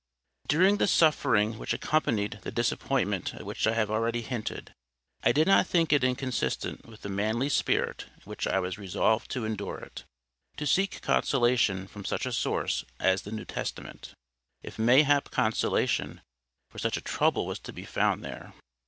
During the suffering which accompanied the disappointment at which I have already hinted, I did not think it inconsistent with the manly spirit in which I was resolved to endure it, to seek consolation from such a source as the New Testament—if mayhap consolation for such a trouble was to be found there.